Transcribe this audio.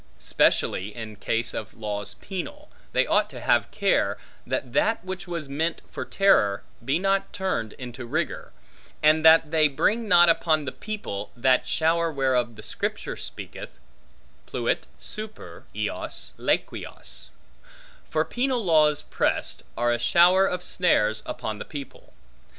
Specially in case of laws penal, they ought to have care, that that which was meant for terror, be not turned into rigor; and that they bring not upon the people, that shower whereof the Scripture speaketh, Pluet super eos laqueos; for penal laws pressed, are a shower of snares upon the people.